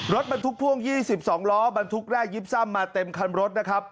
รถบรรทุกพ่วง๒๒ล้อบรรทุกแร่ยิบซ่ำมาเต็มคันรถนะครับ